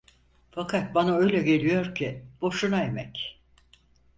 Fakat bana öyle geliyor ki, boşuna emek!